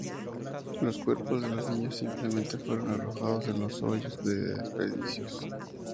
Los cuerpos de los niños simplemente fueron arrojados en los hoyos de desperdicios.